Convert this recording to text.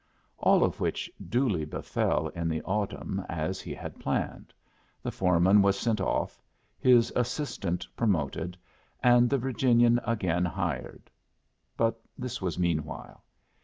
All of which duly befell in the autumn as he had planned: the foreman was sent off, his assistant promoted, and the Virginian again hired. But this was meanwhile.